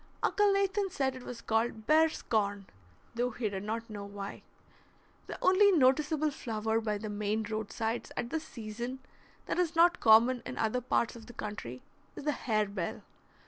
Uncle Nathan said it was called "bear's corn," though he did not know why. The only noticeable flower by the Maine roadsides at this season that is not common in other parts of the country is the harebell.